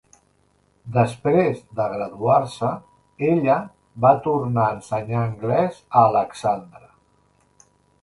Després de graduar-se, ella va tornar a ensenyar anglès a Alexandra.